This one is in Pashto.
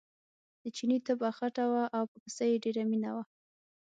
د چیني طبعه خټه وه او په پسه یې ډېره مینه وه.